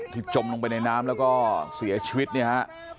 จมลงไปในน้ำแล้วก็เสียชีวิตเนี่ยฮะ